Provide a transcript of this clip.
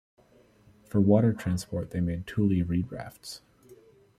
For water transport, they made tule reed rafts.